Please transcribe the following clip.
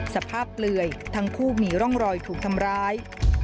เปลือยทั้งคู่มีร่องรอยถูกทำร้าย